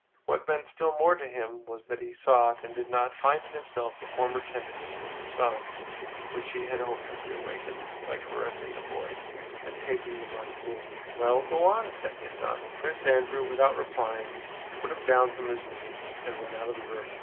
What meant still more to him was that he sought and did not find in himself the former tenderness for his son which he had hoped to reawaken by caressing the boy and taking him on his knee. "Well, go on!" said his son. Prince Andrew, without replying, put him down from his knee and went out of the room.